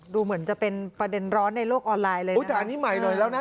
ดูเหมือนจะเป็นประเด็นร้อนในโลกออนไลน์เลยอุ้ยแต่อันนี้ใหม่หน่อยแล้วนะ